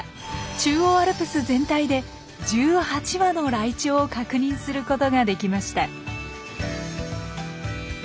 中央アルプス全体で１８羽のライチョウを確認することができました。